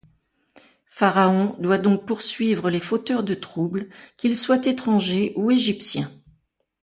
Pharaon doit donc poursuivre les fauteurs de troubles, qu'ils soient étrangers ou égyptiens.